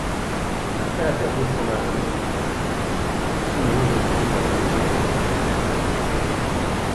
Après la perte de son mari, Kitsuno retourne dans la maison de sa famille.